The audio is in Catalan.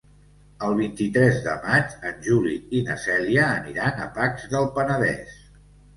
El vint-i-tres de maig en Juli i na Cèlia aniran a Pacs del Penedès.